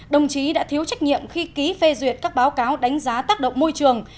đồng chí đã thiếu trách nhiệm khi ký phê duyệt các báo cáo đánh giá tác động môi trường